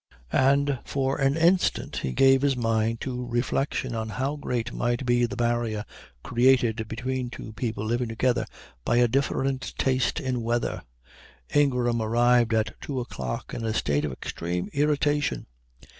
And for an instant he gave his mind to reflection on how great might be the barrier created between two people living together by a different taste in weather. Ingram arrived at two o'clock in a state of extreme irritation.